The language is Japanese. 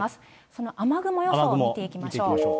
その雨雲予想を見ていきましょう。